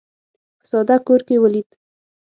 په ساده کور کې ولید.